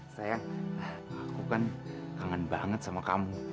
saya aku kan kangen banget sama kamu